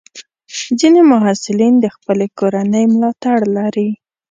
ځینې محصلین د خپلې کورنۍ ملاتړ لري.